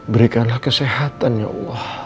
berikanlah kesehatan ya allah